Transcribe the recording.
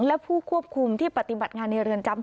และผู้ควบคุมที่ปฏิบัติงานในเรือนจำ